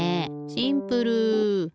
シンプル！